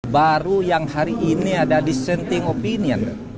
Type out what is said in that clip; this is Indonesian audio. baru yang hari ini ada dissenting opinion